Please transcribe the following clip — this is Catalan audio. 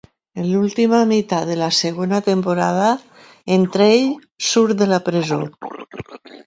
En l'última meitat de la segona temporada, en Trey surt de la presó.